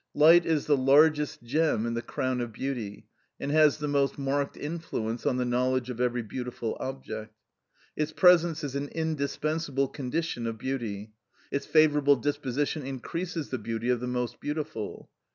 Light is the largest gem in the crown of beauty, and has the most marked influence on the knowledge of every beautiful object. Its presence is an indispensable condition of beauty; its favourable disposition increases the beauty of the most beautiful.